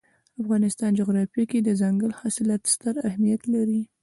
د افغانستان جغرافیه کې دځنګل حاصلات ستر اهمیت لري.